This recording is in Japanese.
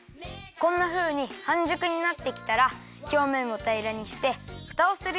こんなふうにはんじゅくになってきたらひょうめんをたいらにしてふたをするよ。